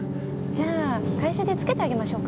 じゃあ会社で付けてあげましょうか？